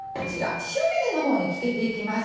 塩水の方につけていきます。